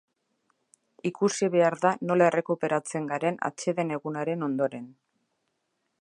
Ikusi behar da nola errekuperatzen garen atseden egunaren ondoren.